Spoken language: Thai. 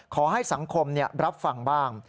ขอให้สังคมรับฟังบ้าง